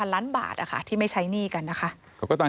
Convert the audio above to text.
ล้านบาทที่ไม่ใช้หนี้กันนะคะ